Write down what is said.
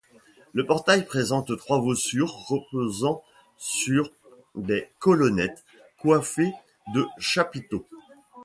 Le portail présente trois voussures reposant sur des colonnettes coiffées de chapiteaux.